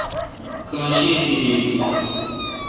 کاں شہ اؘ تیدی این تو رل۔